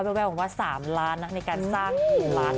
นี่งบประมาณ๓ล้านในการสร้างร้าน